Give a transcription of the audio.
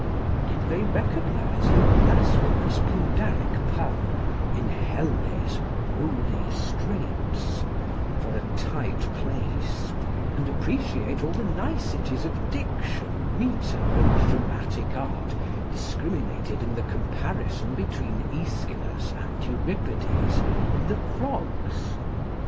Did they recognize the blasphemous Pindaric pun in "Helle's holy straits," for a tight place, and appreciate all the niceties of diction, metre, and dramatic art discriminated in the comparison between Aeschylus and Euripides in the 'Frogs'?